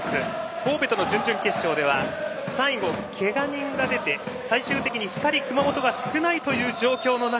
神戸との準々決勝では最後、けが人が出て最終的に２人熊本が少ないという状況の中